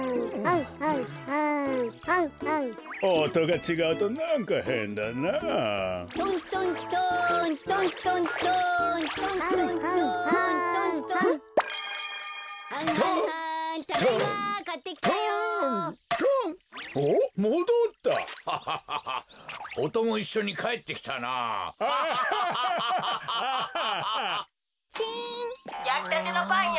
やきたてのパンよ。